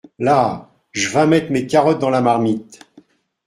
Là !… j’vas mettre mes carottes dans la marmite.